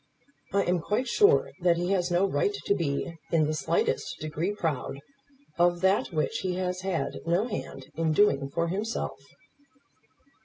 I am quite sure that he has no right to be in the slightest degree proud of that which he has had no hand in doing for himself."